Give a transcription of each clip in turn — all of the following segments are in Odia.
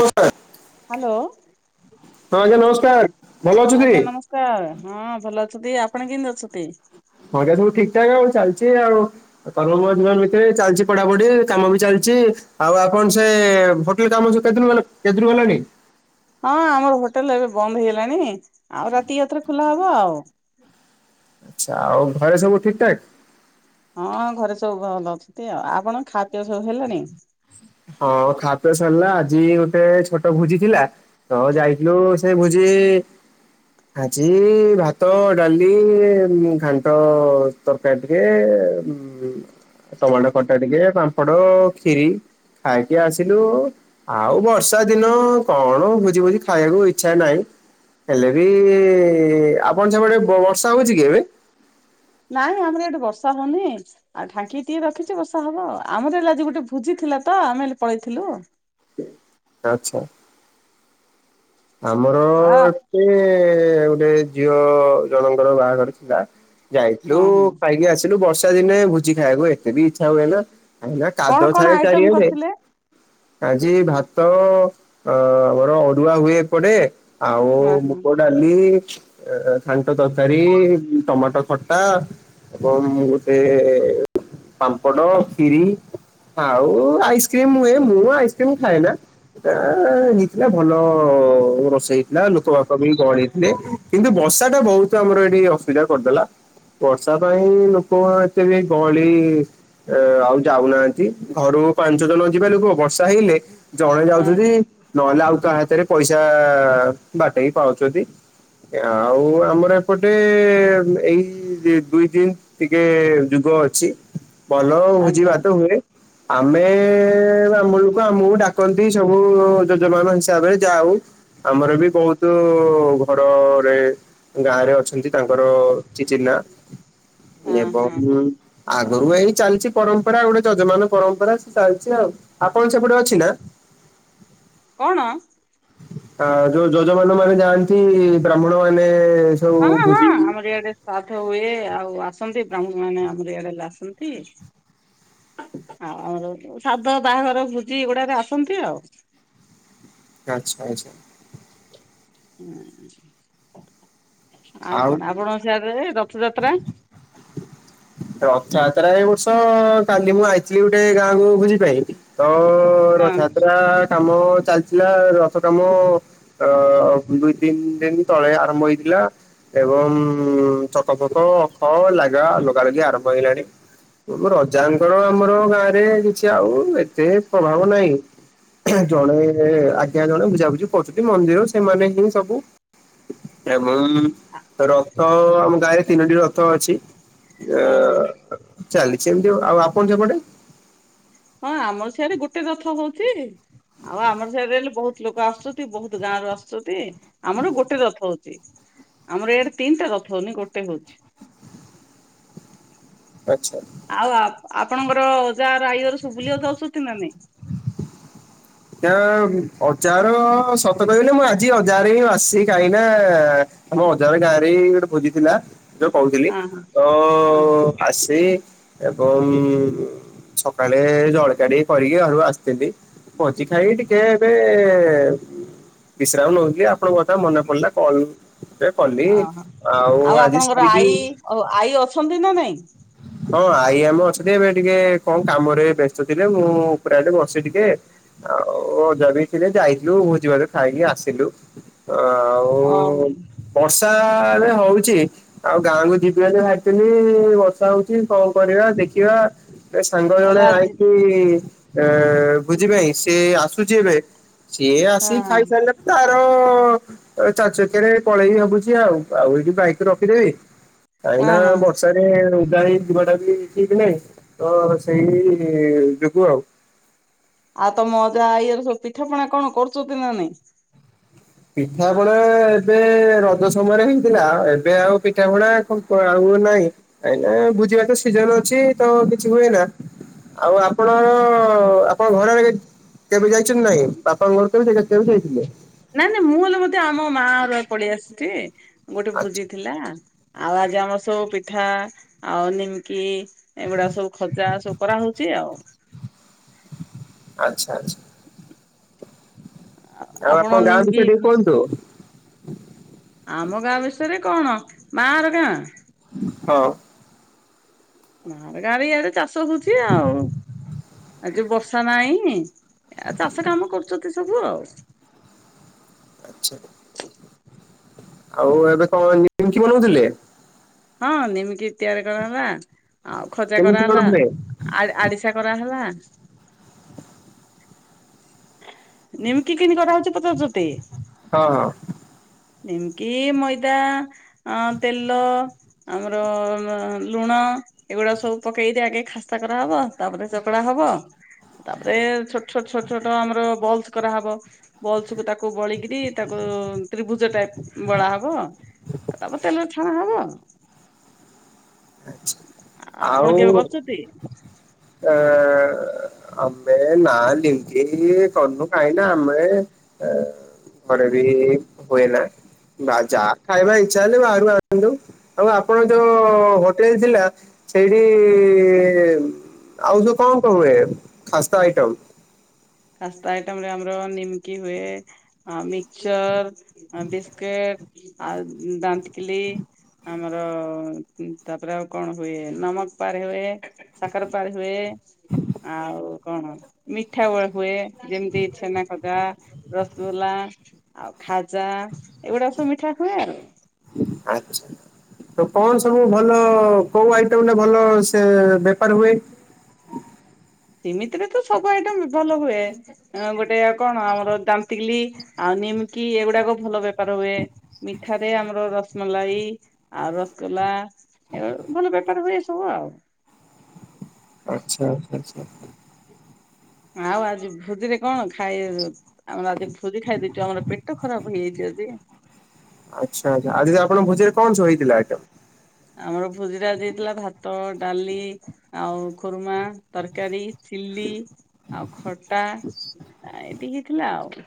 ହ ସାର୍। ହ୍ୟାଲୋ। ହଁ ଆଜ୍ଞା ନମସ୍କାର, ଭଲ ଅଛନ୍ତି। ତା ହଁ ଭଲ ଅଛନ୍ତି, ଆପଣ କେମିତି ଅଛନ୍ତି? ଘରେ ସବୁ ଠିକ୍ ଠାକ୍ ଆଉ ଚାଲିଛି ଆଉ, [unintelligible] ଚାଲିଛି ପଢାପଢି କାମ ବି ଚାଲିଛି ଆଉ ଆପଣ ସେ ହୋଟେଲ କାମ ଯଉଟା କେତେ ଦିନ ଗଲେ କେତେ ଦିନ ଗଲାଣି? ହଁ ଆମର ହୋଟେଲ ଏବେ ବନ୍ଦ ହେଇଗଲାଣି ଆଉ ରାତି ଆଉଥରେ ଖୋଲା ହବ ଆଉ। ଚ୍ଛା ଆଉ ଘରେ ସବୁ ଠିକ୍ ଠାକ୍? ହଁ ଘରେ ସବୁ ଭଲ ଅଛନ୍ତି ଆଉ ଆପଣ ଖାଦ୍ୟ ସବୁ ହେଲାଣି? ହଁ ଖା ପିଅ ସରିଲା ଆଜି ଗୋଟେ ଛୋଟ ଭୋଜି ଥିଲା। ତ ଯାଇଥିଲୁ ସେ ଭୁଜି ଆଜି ଭାତ, ଡାଲି, ଘାଣ୍ଟ ତରକାରୀ ଟିକେ, ଟମାଟୋ ଖଟା ଟିକେ, ପାମ୍ପଡ, ଖିରି। ଖାଇକି ଆସିଲୁ। ଆଉ ବର୍ଷା ଦିନ କଣ ଭୋଜି ଭୋଜି ଖାଇବାକୁ ଇଚ୍ଛା ନାହିଁ। ହେଲେ ବି ଆପଣ ସେପଟେ ବର୍ଷା ହଉଛି କି? ଏବେ ନାଇଁ ଆମର ଏଠି ବର୍ଷା ହଉନି। ଆଉ ଢାଙ୍କି ଟିକେ ରଖିଛି ବର୍ଷା ହବ ଆମର ହେଲେ ଆଜି ଗୋଟେ ଭୋଜି ଥିଲା ତ ଆମେ ହେଲେ ପଳେଇଥିଲୁ। ଆଚ୍ଛା। ଆମର ଆ କିଏ ଗୋଟେ ଝିଅ ଜଣଙ୍କର ବାହାଘର ଥିଲା। ଯାଇଥିଲୁ ହଁ ହଁ ଖାଇକି ଆସିଲୁ ବର୍ଷା ଦିନେ ଭୋଜି ଖାଇବାକୁ ଏତେ ବି ଇଚ୍ଛା ହୁଏ ନା। ଏ କଣ କାଦ କଣ ଥାଏ ଆଇଟମ ଚାରିଆଡେ। କରିଥିଲେ? ଆଜି ଭାତ ଅ ଅରୁୁଆ ହୁଏ ଏପଟେ। ଆଉ ହଁ ହଁ ମୁଗ ଡାଲି ଏଁ ଏଁ ଘାଣ୍ଟ ତରକାରୀ ଟମାଟୋ ଖଟ ତା ଏବଂ ଗୋଟେ ପାମ୍ପଡ ଖିରି ଆଉ ଆଇସ୍କ୍ରିମ ହୁଏ ମୁଁ ଆଇସ୍କ୍ରିମ ଖାଏ ନା। ଏଁ ଇଟା ଭଲ। ରୋଷଇ ହେଇଥିଲା ଲୋକ ପାକ ବି ଗହଳି ହେଇଥିଲେ କିନ୍ତୁ ବର୍ଷା ଟା ବହୁତ ଆମର ଏଠି ଅସୁବିଧା କରିଦେଲା ବର୍ଷା ପାଇଁ ଲୋକ ଏତେ ବି ଗହଳି ଆଉ ଯାଉନାହାନ୍ତି ଘରୁ ପାଞ୍ଚ ଜଣ ଯିବା ଲୁକ ବର୍ଷା ହେଇଲେ ଜଣେ ହଁ ଯାଉଛନ୍ତି ହଁ ନହେଲେ ଆଉ ତା ହାତରେ ପଇସା ବାଟେଇକି ପାଉଛନ୍ତି ଆଉ ଆମର ଏପଟେ ଏଇ ଦୁଇ ଦିନ ଟିକେ ଯୁଗ ଅଛି। ଭଲ ଭୋଜି ଆଜ୍ଞା ଭାତ ହୁଏ ଆମେ ଆମକୁ ଡାକନ୍ତି ସବୁ ଯୋଜମାନ ହିସାବରେ ଯାହା ହଉ ଆମର ବି ବହୁତ ଘରରେ ଗାଁରେ ଅଛନ୍ତି। ତାଙ୍କର ଚି ଚିହ୍ନା ହଁ ହଁ ହଁ ଏବଂ ଆଗରୁ ଏଇ ଚାଲିଛି ପରମ୍ପରା ଗୋଟେ ଯଜମାନ ପରମ୍ପରା ସେ ଚାଲିଛି ଆଉ ଆପଣ ସେପଟେ ଅଛି ନା? କଣ? ଆ ଯୋଉ ଯଜମାନ ମାନେ ଯାଆନ୍ତି ବ୍ରାହ୍ମଣ ମାନେ ସବୁ ହଁ ହଁ ଭୋଜି ଆମର ଇଆଡେ ଶାଦ୍ଧ ହୁଏ ଆଉ ଆସନ୍ତି ବ୍ରାହ୍ମଣ ମାନେ ଆମର ଇଆଡେ ଆସନ୍ତି। ଆଉ ସାଧ ବାହାଘର ଭୋଜି ଏଗୁଡାକ ଆସନ୍ତି ଆଉ ଆଚ୍ଛା ଆଚ୍ଛା। ହୁଁ ଆଉ କଣ ଆପଣଙ୍କ ସିଆଡେ ରଥଯାତ୍ରା। ରଥଯାତ୍ରା ଏ ବର୍ଷ କାଲି ମୁଁ ଆଇଥିଲି ଗୋଟେ ଗାଁକୁ ଭୋଜି ପାଇଁ ତ ହଁ। ରଥଯାତ୍ରା କାମ ଚାଲିଥିଲା ରଥ କାମ ଅ ଦୁଇ ତିନି ଦିନ ତଳେ ଆରମ୍ଭ ହେଇଥିଲା। ଏବଂ ଛକ ଫକ ଅଖ ଲାଗା ଲଗା ଲଗି ଆରମ୍ଭ ହେଇଲାଣି। ରଜାଙ୍କର ଆମର ଗାଁ ରେ କିଛି ଆଉ ଏତେ ପ୍ରଭାବ ନାହିଁ। ଜଣେ ଆଜ୍ଞା ଜଣେ ବୁଝାବୁଝି କରୁଛନ୍ତି। ମନ୍ଦିର ସେମାନେ ହିଁ ସବୁ ଏବଂ ରଥ ଆମ ଗାଁରେ ତିନୋଟି ରଥ ଅଛି। ଅ ହଁ ହଁ ଚାଲିଛି ଏମିତି ଆଉ ଆପଣ ସେପଟେ ହଁ ଆମ ସିଆରେ ଗୋଟେ ରଥ ହଉଛି। ଆଉ ଆମର ସିଆଡେ ରହିଲେ ବହୁତ ଲୋକ ଆସୁଛନ୍ତି ବହୁତ ଗାଁ ରୁ ଆସୁଛନ୍ତି ଆମର ଗୋଟେ ରଥ ହଉଛି ଆମର ଏଇଆଡେ ତିନିଟା ରଥ ହଉନି ଗୋଟେ ହଉଚି। ଆଛା। ଆଉ ଆପଣଙ୍କର ଅଜା ଘର ଆଈ ଘର ସବୁ ବୁଲିବାକୁ ଯାଉଛନ୍ତି ନା ନାଇଁ। ଆ ଅଜାର ସତ କହିବି ନା ମୁଁ ଆଜି ଅଜା ଘରେ ହିଁ ଆସିଛି କାହିଁକିନା ମ ଅଜାଘରେ ଗାଁରେ ଗୋଟେ ଭୋଜିଥିଲା। ଯୋଉ କହୁଥିଲି ଅଁ ହଁ ତ ହଁ ଆସି ଏବଂ ସକାଳେ ଜଳଖିଆ ଟିକେ କରିକି ଘରୁ ଆସିଥିଲି। ଭୋଜି ଖାଇକି ଟିକେ ଏବେ ବିଶ୍ରାମ ନଉଥିଲି ଆପଣଙ୍କ କଥା ମନେ ପଡିଲା କଲ ଏ ପଲି ଓହୋ ଆଉ ଆଜି ଆପଣଙ୍କର ସାରିକି ଆଈ ଆଉ ଆଈ ଅଛନ୍ତି ନା ନାଇଁ ହଁ ଆଇ ଆମକ ଅଛନ୍ତି ଏବେ ଟିକେ କଣ କାମରେ ବ୍ୟସ୍ତ ଥିବେ ଆଉ ମୁଁ ଉପଟେ ବସେ ଟିକେ। ଆଉ ଜଗିଥିଲେ ଜାଇତୁ ଭୋଜି ଭାତ ଖାଇକି ଆସି ତୁ। ଅ। ବର୍ଷା ରେ ହଉଛି ଆଉ ଗାଁକୁ ଯିବି ଭାବିଥିଲି। ଷା ହଉଛି କଣ କରିବା ଦେଖିବା ଏ ସାଙ୍ଗ ହେଲା ଜଣେ ଆଜି ଆଇକି ଏ ଭୋଜି ପାଇ ସିଏ ଆସୁଛି ଏବେ ସିଏ ଆସିି ଖାଇସାରିଲା ତାର [inaudible] [unintelligible] ଚାରି ଚକିଆରେ ପଳେଇ ବି ଭବୁଛି ଆଉ ଆଉ ଏଇଠି ବାଇକ ରଖିଦେବି। କାଇଁନା ହଁ ବର୍ଷାରେ ଜାଣି ଯିବାଟା ବି ଠିକ ଥିଲେ ତ ସେଇ ଯୋଗୁ ଆଉ। ଆଉ ତମ ଅଜା ଆଈ ଘର ସବୁ ପିଠା ପଣା କଣ କରୁଛନ୍ତି। ନା ନାଇଁ ପିଠା ପଣା ଏବେ ରଜ ସମୟରେ ହେଇଥିଲା ଏବେ ଆଉ ପିଠା ପଣା [inaudible] ଆଉ ନାହିଁ। ନାଇଁ ନା ଭୋଜି ଭାତ ସିଜନ ଅଛି ତ କିଛି ହୁଏନା ଆଉ ଆପଣ ଆପଣ ଘରରେ କେବେ ଯାଇଛନ୍ତି ନାଇଁ ବାପାଙ୍କ ଘରକୁ କେଭେ ଯାଇଥିଲେ ନା-ନା ମୁଁ ହେଲେ ବଧେ ଆମ ମା ର ପଳେଇ ଆସୁଛି ଗୋଟେ ଆଚ୍ଛା ଭୋଜି ଥିଲା। ଆଉ ଆଜି ଆମର ସବୁପିଠା ଆଉ ନିମକି ଏଗୁଡ଼ା ସବୁ ଖଜା ସବୁ କରାହଉଛି ଆଉ, ଆଚ୍ଛା ଆଚ୍ଛା ଆଉ ଆପଣ ଗାଁଛ ଟିକେ କୁହନ୍ତୁ ଆମ ଗାଁ ବିଷୟରେ କଣ ମାର ଗାଁ, ହଁ ମାଁର ଗାଁରେ ଇଆଡେ ଚାଷ ହଉଛି ଆଉ ଆ ଯ ବର୍ଷା ନହିଁ ଆଉ ଚାଷ କାମ କରୁଚତି ସବୁ ଆଉ ଆଚ୍ଛା, ଆଉ ଏବେ କଣ ନିମକି ବନଉଥିଲେ? ହଁ ନିମକି ତିଆରି କରାହେଲା ଆଉ ଖଜା କେମିତି କଣ କରାହେଲା, ହୁଏ? ଆ ଆଡିଶା କରାହେଲା ନିଉ କିକିିନ୍ କରାହଉଚି ପଚାରଚତି ହଁ, ଯେମି କିି ମଇଦା ଅ ତେଲ, ଆମର ଲୁଣ ଏଗୁଡା ସବୁ ପକେଇଦି ଆଗେ ଖାସ୍ତା କରାହବ ତାପରେ ଚକଡା ହବ ତାପରେ ଛୋଟ ଛୋଟ ଛୋଟ ଛୋଟ ଆମର ବଲ୍ସ କରାହେବ ବଲସକୁୁ ତାକୁ ବଳିକିରି ତାକୁ ତ୍ରିଭୁଜ ଟାଇପ ବଳା ହବ ଉ ତାପରେ ତେଲ ଛଣା ହବ ଆପଣ ଆଉ କେବେ କରୁଛନ୍ତି ଅ ଆମେ ନା ଲିଙ୍ଗି କନୁ କାହିଁ ନା ଆମେ ଘରେ ବି ହୁଏ ନା ବା ଯାହା ଖାଇବା ଇଚଛା ହେଲେ ବାହାରୁ ଆସନ୍ତୁ ଆଉ ଆପଣ ଯୋଉ ଏଇ ଥିଲା ସେଇଠି ଆଉ ଯୋ କ-କ ହୁଏ? ଖାସ୍ତା ଆଇଟମ୍ କାସ୍ତା ଆଇଟାମ୍ ରେ ଆମର ନିମକି ହୁଏ, ଆ ମିକଚର ବିସ୍କୁିଟ ଆ ଦାନ୍ତକିଲି ଆମର ତାପରେ ଆଉ କଣ ହୁଏ ନମକ ପାର ହୁଏ ସାକାର ପାର ହୁଏ ଆଉ କଣ ମିଠା ହୁଏ ହୁଏ ଯେମିତି ଛେନା ଖଜା ରସଗୋ୍ଲା ଆଉ ଖାଜା ଏଇଗୁଡା ସବୁ ମିଠା ହୁଏ ଆଉ ଆଣପ ସାର୍ [inaudible] ତ କଣ ସବୁ ଭଲ କୋଉ ଆଇଟମରେ ଭଲ ସେ ବେପାର ହୁଏ? ସେମିତିରେ ତ ସବୁ ଆଇଟମ ଭଲ ହୁଏ। ଗୋଟେ କଣ ଆମର ଦାନ୍ତକିଲି ଆଉ ନିମିକି ଏଗୁଡାକ ଭଲ ବେପାର ହୁଏ। ମିଠାରେ ଆମର ରସମଲାଇ ଆଉ ରସଗୋଲା। [unintelligible] ଭଲ ବେପାର ହୁଏ ସବୁ ଆଉ। ଆଛା -ଆଛା -ଆଛା। ଆଉ ଆଜି ଭୋଜିରେ କଣ ଖାଇ ଆମର ଆଜି ଭୋଜି ଖାଇ ଦେଇଛୁ ଆମର ପେଟ ଖରାପ ହେଇଯାଇଛି ଆଜି। ଆଛା ଆଛା ଆଜିଜ ଆପଣଙ୍କ ଭୋଜିରେ କଣ ସବୁ ହେଇଥିଲା ଆଇଟମ? ଆମର ଭୋଜିରେ ଆଜି ହେଇଥିଲା ଭାତ, ଡାଲି। ଆଉ ଖୁରୁମା, ତରକାରୀ, ଚିଲି। ଆଉ ଖଟା ଏତିକି ହେଇ ଥିଲା ଆଉ।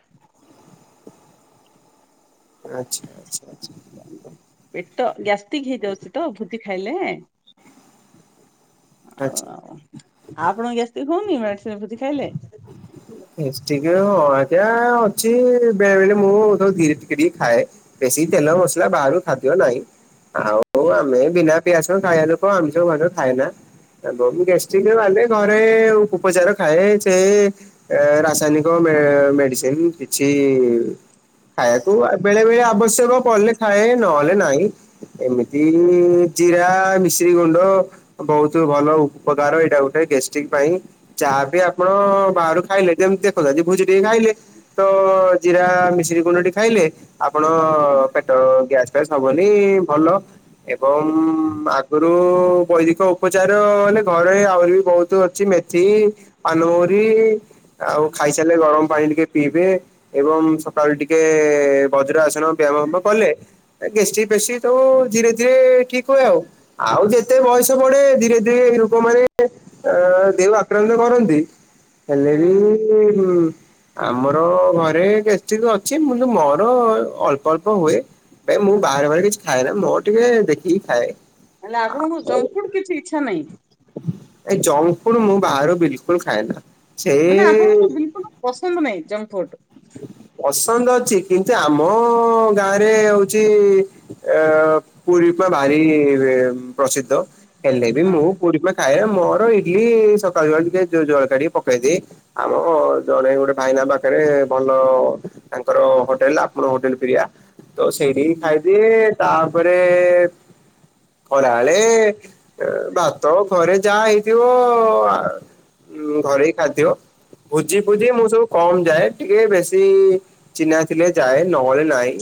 ଆଛା-ଆଛା-ଆଛା। ପେଟ ଗ୍ୟାଷ୍ଟିକ ହେଇଯାଉଚି ତ ଭୁଜି ଖାଇଲେ। ଆଛା। ଆଉ ଆପଣ ଗ୍ୟାଷ୍ଟିକ୍ ହଉନି ମେଡିସିନ ଭୁଜି ଖାଇଲେ? ଗ୍ୟାସଟିକ ହଁ ଆଜ୍ଞା ଅଛି ବେଳେ ବେଳେ ମୁଁ ତ ଧୀରେ ଟିକେ ଟିକେ ଖାଏ। ବେଶୀ ତେଲ ମସଲା ବାହାରୁ ଖାଦ୍ୟ ନାହିଁ। ଆଉ ଆମେ ଏ ବିନା ପିଆସ ଖାଇବା ଲୋକ ଆମିଷ ପତ୍ର ଖାଏ ନା। [unintelligible] ଗ୍ୟାଷ୍ଟିକ ଖାଲି ଘରେ ଉପଚାର ଖାଏ ହେ ରାସାୟନିକ ମେ ମେଡିସିନ୍ କିଛି ଖାଇବାକୁ ବେଳେ ବେଳେ ଆବଶ୍ୟକ ପଡ଼ଲେ ଖାଏ ନହେଲେ ନାହିଁ। ଏମିତି ଜିରା, ମିଶ୍ରି ଗୁଣ୍ଡ। ବହୁତ ଭଲ ଉପକାର ଏଇଟା ଗୋଟେ ଗେଷ୍ଟିକ ପାଇଁ ଚା ବି ତ ବାହାରୁ ଖାଇଲେ ଯେମତି ଦେଖ ଯଦି ଭୁଜି ଟିକେ ଖାଇଲି ତ ଜିରା ମିସିରି ଗୁଣ୍ଡଟି ଖାଇଲେ ଆପଣ ପେଟ ଗ୍ୟାସ ଫ୍ୟାସ୍ ହବନି ଭଲ। ଏବଂ ଆଗୁରୁ ବୈଦିକ ଉପଚାର ମାନେ ଘରେ ଆହୁରି ବି ବହୁତ ଅଛି ମେଥୀ। ପାନମହୁରି ଆଉ ଖାଇସାରିଲେ ଗରମ ପାଣି ଟିକେ ପିଇବେ ଏବଂ ସକାଳୁ ଟିକେ ବଜ୍ର ଆସନ ବ୍ୟାୟାମ କଲେ। ଗେଷ୍ଟିକ ଫେଷ୍ଟିକ ସବୁ ଧୀରେ-ଧୀରେ ଠିକ୍ ହୁଏ ଆଉ-ଆଉ ଯେତେ ବୟସ ବଢ଼େ ଧୀରେ ଏଇ ରୋଗ ମାନେ ଅ ଦେହକୁ ଆକ୍ରାନ୍ତ କରନ୍ତି। ହେଲେ ବି ହୁଁ ଆମର ଘରେ ଷ୍ଟିକ୍ ଅଛି [unintelligible] ମୋର ଅଳ୍ପ-ଅଳ୍ପ ହୁଏ। ଭାଇ ମୁଁ ବାହାର ବାର କିଛି ଖାଏ ନା ମୋର ଟିକେ ଦେଖିକି ଖାଏ। ହେଲେ ଆପଣଙ୍କୁ ଆଉ ଜଙ୍କ ଫୁଡ କିଛି ଇଛା ନାହିଁ। ଏ ଜଂଗ୍ ଫୁଡ୍ ମୁଁ ବାହାରୁ ବିଲକୁଲ ଖାଏନା। ସେ ମାନେ ଆପଣଙ୍କୁ ବିଲକୁଲ ପସନ୍ଦ ନାଇଁ ଜଙ୍କ ଫୁଡ। ପସନ୍ଦ ଅଛି କିନ୍ତୁ ଆମ ଗାଁରେ ହଉଛି ଏ ପୁରୀ ପା ଭାରି ପ୍ରସିଦ୍ଧ ହେଲେ ବି ହଁ ମୁଁ ପୁ ଖାଏ ମୋର ଇଡଲି ସକାଳୁ ସକାଳୁ ଟିକେ ଜଉ ଜଳଖିଆ ଟିକେ ପକେଇଦିଏ। ଆମର ଜଣେ ଗୋଟେ ଭାଇନା ପାଖରେ ଭଲ ତାଙ୍କର ହୋଟେଲ ଆପଣଙ୍କ ହୋଟେଲ ପ୍ରିୟା। ତ ସେଇଠି ହିଁ ହଁ ଖାଇଦିଏ ତାପରେ ଖରାବେଳେ ଭାତ ଘରେ ଯାହା ହେଇଥିବ ଘରୋଇ ଖାଦ୍ୟ। ଭୋଜି ଫୋଜି ମୁଁ ସବୁ କମ ଯାଏ ଟିକେ ବେଶୀ ଚିହ୍ନା ଥିଲେ ଯାଏ ନହେଲେ ନାହ।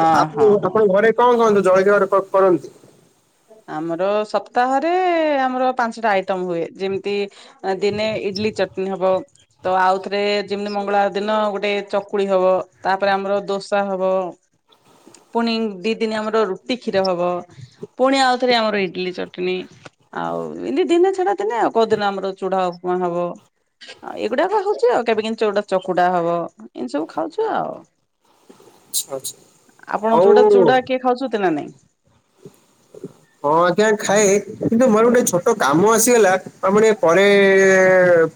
ଅ ଆଉ ହଁ ହଁ ଆପଣ ଘରେ କଣ [unintelligible] ଜଳିଖିଆ କ କରନ୍ତି? ଆମର ସପ୍ତାହରେ ଆମର ପାଞ୍ଚଟା ଆଇଟମ ହୁଏ ଯେମିତି ଆ ଦିନେ ଇଟିଲି ଚଟଣୀ ହବ। ତ ଆଉଥିରେ ଯେମିତି ମଙ୍ଗଳବାର ଦିନ ଗୋଟେ ଚକୁଳି ହବ ତାପରେ ଆମର ଦୋସା ହବ। ପୁଣି ଦି ଦିନି ଆମର ରୁଟି କ୍ଷୀର ହବ। ପୁଣି ଆଉ ଥରେ ଆମର ଇଡ଼ଲି ଚଟଣୀ ଆଉ ଏନ୍ତି ଦିନେ ଛଡ଼ା ଦିନେ ଆଉ କୋଉ ଦିନ ଆମର ଚୁଡ଼ା ଉପମା ହବ‌‌। ଆଉ ଏଗୁଡ଼ାକ ହଉଚି ଆଉ କେବେ କେନ୍ତି ଚୁଡ଼ା ଚକୁଡ଼ା ହବ। ଏମିତି ସବୁ ଖାଉଚୁ ଆଉ। ଆଚ୍ଛା ଆଚ୍ଛା। ଆପଣ ହଉ ଯୋଡ଼ା ଚୁଡ଼ା କିଏ ଖାଉଛନ୍ତି ନାଁ ନାଇଁ? ହଁ ଆଜ୍ଞା ଖାଏ କି ଦୁ ମୋର ଗୋଟେ ଛୋଟ କାମ ଆସିଗଲା ତ ମୁଁ ଟିଏ ପରେ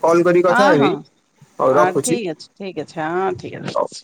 କଲ୍ କରିକି କଥା ହେବି ହଉ ରଖୁଛି। ଠିକ୍ ଅଛ ହଁ ଠିକ୍ ଅଛି ହଉ। ରହୁଚି।